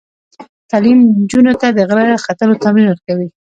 تعلیم نجونو ته د غره ختلو تمرین ورکوي.